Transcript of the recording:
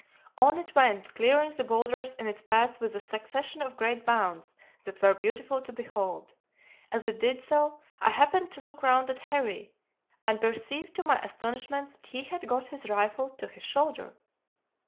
On it went, clearing the boulders in its path with a succession of great bounds that were beautiful to behold. As it did so, I happened to look round at Harry, and perceived to my astonishment that he had got his rifle to his shoulder.